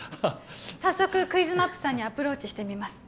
早速クイズマップさんにアプローチしてみます